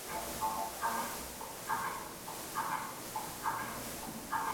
بوډا سوم لا تر اوسه په سِر نه یم پوهېدلی.!